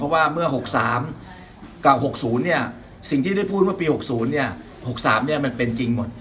ว่าเมื่อ๖๓กับ๖๐เนี่ยสิ่งที่ได้พูดว่าปี๖๐เนี่ย๖๓เนี่ยมันเป็นจริงหมด